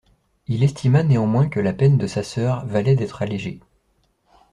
Il estima néanmoins que la peine de sa sœur valait d'être allégée.